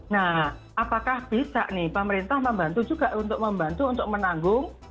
nah apakah bisa nih pemerintah membantu juga untuk membantu untuk menanggung